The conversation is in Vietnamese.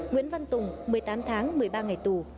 nguyễn văn tùng một mươi tám tháng một mươi ba ngày tù